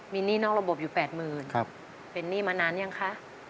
มีหนี่นอกระบบอยู่๘๐๐๐๐ครับครับเป็นหนี่มานานยังคะ